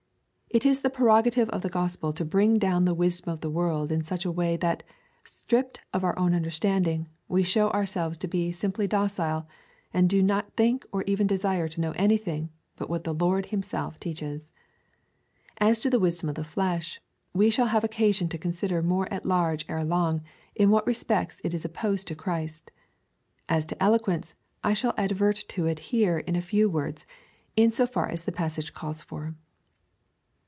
It is the prerogative of the gospel to bring down the wisdom of the world in such a way that, stript of our own understanding, we show ouj selves to be simply docile, and do not think or even desire to know anything, but what the Lord himself teaches. As to the wisdom of the flesh, we shall have occasion to consider more at large ere long, in what respects it is opposed to Christ. As to eloquence, I shall advert to it here in a few words, in so far as the passage calls for.